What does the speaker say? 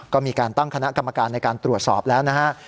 ก็มีการตั้งคณะกรรมการในการตรวจสอบแล้วนะฮะ